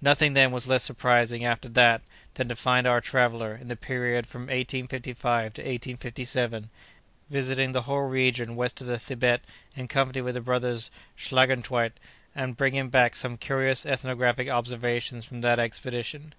Nothing, then, was less surprising, after that, than to find our traveller, in the period from 1855 to 1857, visiting the whole region west of the Thibet, in company with the brothers Schlagintweit, and bringing back some curious ethnographic observations from that expedition.